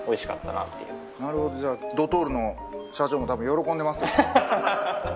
なるほどじゃあドトールの社長もたぶん喜んでますよ。